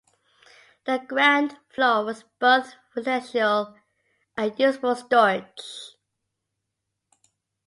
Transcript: The ground floor was both residential and used for storage.